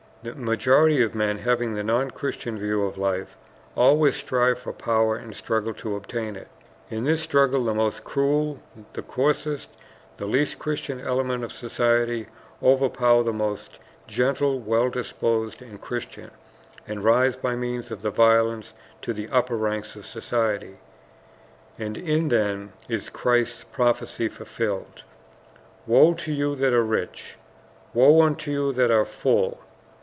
The majority of men, having the non Christian view of life, always strive for power and struggle to obtain it. In this struggle the most cruel, the coarsest, the least Christian elements of society overpower the most gentle, well disposed, and Christian, and rise by means of their violence to the upper ranks of society. And in them is Christ's prophecy fulfilled: "Woe to you that are rich! woe unto you that are full!